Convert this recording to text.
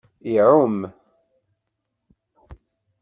Iɛum.